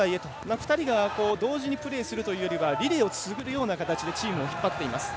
２人が同時にプレーをするというよりはリレーを続けるような形でチームを引っ張っています。